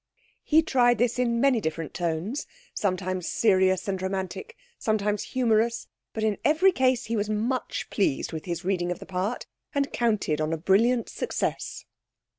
'_ He tried this in many different tones; sometimes serious and romantic, sometimes humorous, but in every case he was much pleased with his reading of the part and counted on a brilliant success.